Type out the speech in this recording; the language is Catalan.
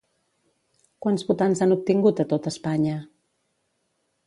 Quants votants han obtingut a tot Espanya?